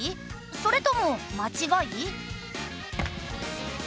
それとも間違い？